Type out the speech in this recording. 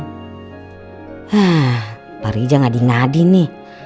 hah pak rija ngadi ngadi nih